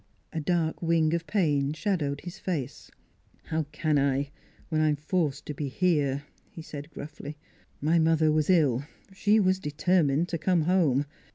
" A dark wing of pain shadowed his face. " How can I when I am forced to be here? " he said gruffly. " My mother was ill she was determined to come home.